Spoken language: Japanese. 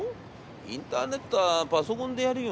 インターネットはパソコンでやるよ。